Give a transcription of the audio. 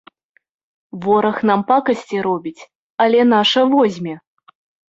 Вораг нам пакасці робіць, але наша возьме!